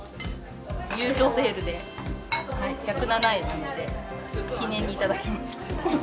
優勝セールで１０７円なので、記念にいただきました。